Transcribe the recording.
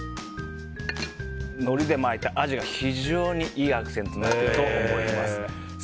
のりで巻いたアジが非常にいいアクセントになっていると思います。